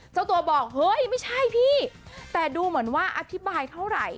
เจ้าตัวบอกเฮ้ยไม่ใช่พี่แต่ดูเหมือนว่าอธิบายเท่าไหร่